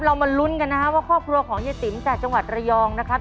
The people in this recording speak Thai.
มาลุ้นกันนะครับว่าครอบครัวของเย้ติ๋มจากจังหวัดระยองนะครับ